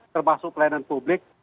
termasuk kelainan publik